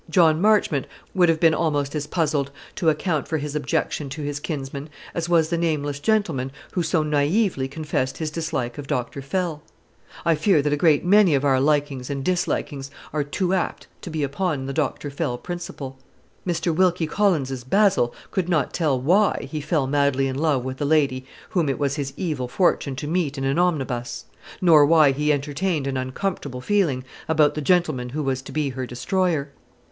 John Marchmont would have been almost as puzzled to account for his objection to his kinsman, as was the nameless gentleman who so naïvely confessed his dislike of Dr. Fell. I fear that a great many of our likings and dislikings are too apt to be upon the Dr. Fell principle. Mr. Wilkie Collins's Basil could not tell why he fell madly in love with the lady whom it was his evil fortune to meet in an omnibus; nor why he entertained an uncomfortable feeling about the gentleman who was to be her destroyer.